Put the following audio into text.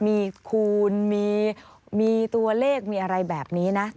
มีคูณมีตัวเลขมีอะไรแบบนี้นะ